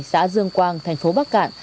xã dương quang thành phố bắc cạn